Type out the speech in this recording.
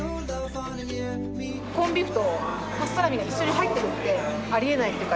コンビーフとパストラミが一緒に入ってるってありえないっていうか